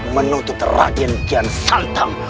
menuntut raden kian santang